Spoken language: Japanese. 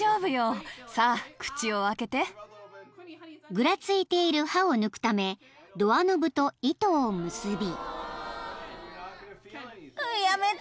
［ぐらついている歯を抜くためドアノブと糸を結び］